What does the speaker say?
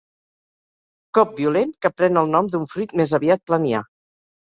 Cop violent que pren el nom d'un fruit més aviat planià.